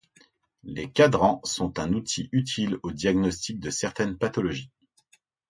Ces quadrants sont un outil utile au diagnostic de certaines pathologies.